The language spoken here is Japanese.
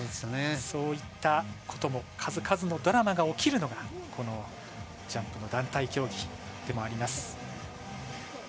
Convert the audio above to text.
そういったことも数々のドラマが起きるのがこのジャンプの団体競技でもあります。